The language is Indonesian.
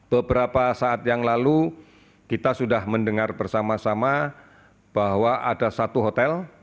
beberapa saat yang lalu kita sudah mendengar bersama sama bahwa ada satu hotel